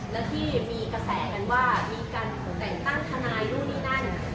และที่มีกระแสกันว่ามีการแต่งตั้งทนายนู่นนี่นั่น